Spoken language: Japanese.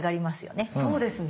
そうですね。